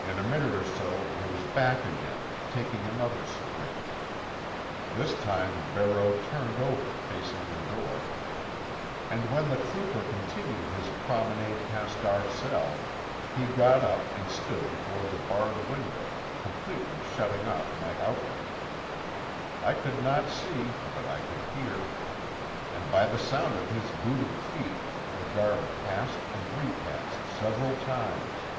In a minute or so he was back again, taking another squint. This time Barreau turned over facing the door, and when the trooper continued his promenade past our cell he got up and stood before the barred window, completely shutting off my outlook. I could not see, but I could hear. And by the sound of his booted feet the guard passed and repassed several times.